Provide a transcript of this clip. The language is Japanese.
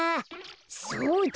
そうだ。